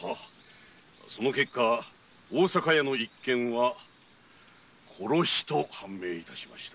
その結果大阪屋の一件は殺しと判明致しました。